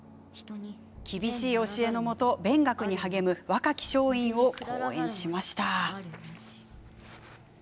厳しい教えのもと勉学に励む若き松陰を好演しました。